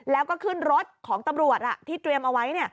แล้วก็ขึ้นรถของตำรวจที่เตรียมเอาไว้